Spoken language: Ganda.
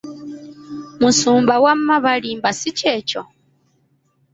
Musumba wama balimba, si kyekyo.